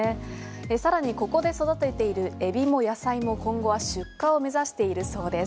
さらにここで育てているエビも野菜も今後は出荷を目指しているそうです。